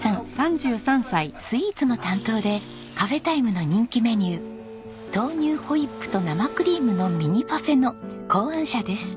スイーツの担当でカフェタイムの人気メニュー豆乳ホイップと生クリームのミニパフェの考案者です。